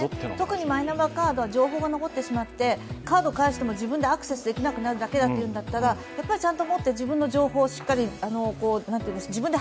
特にマイナンバーカードは情報が残ってしまってカード返しても自分で接続できなくなるだけだというんだったら、ちゃんともっと自分の情報をしっかり自分で